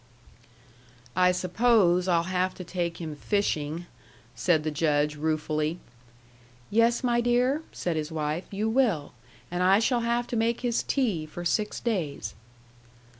"I suppose I'll have to take him fishing," said the Judge, ruefully. "Yes, my dear," said his wife, "you will. And I shall have to make his tea for six days."